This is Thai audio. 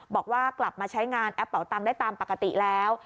บอกว่ากลับมาใช้งานแอปเป่าตังค์ได้ตามปกติแล้ว